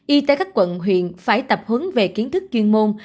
y tế các quận huyện phải tập hướng về kiến thức chuyên môn